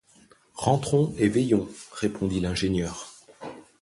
Rentrons et veillons, répondit l’ingénieur